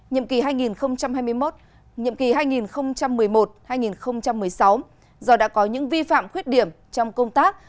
nhiệm kỳ hai nghìn hai mươi một nhiệm kỳ hai nghìn một mươi một hai nghìn một mươi sáu do đã có những vi phạm khuyết điểm trong công tác